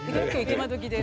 今どきで。